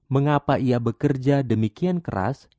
mengapa ia bekerja demikian keras